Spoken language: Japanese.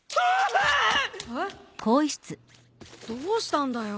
どうしたんだよ。